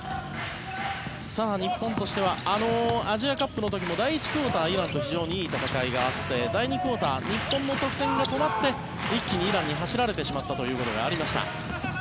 日本としてはアジアカップの時も第１クオーターイランといい戦いがあって第２クオーター日本の得点が止まって一気にイランに走られてしまったことがありました。